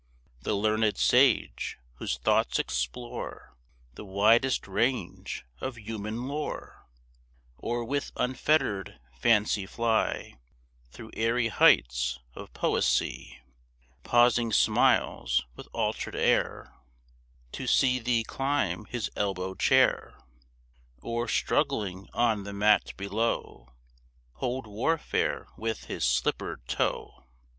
The learned sage, whose thoughts explore The widest range of human lore, Or with unfettered fancy fly Through airy heights of poesy, Pausing smiles with altered air To see thee climb his elbow chair, Or, struggling on the mat below, Hold warfare with his slippered toe.